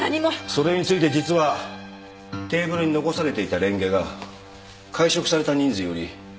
それについて実はテーブルに残されていたれんげが会食された人数より１つ多かったんです。